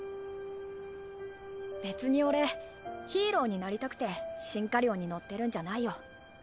別に俺ヒーローになりたくてシンカリオンに乗ってるんじゃないよ。